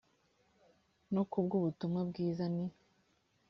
no ku bw ubutumwa bwiza ni